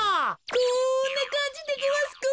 こんなかんじでごわすか？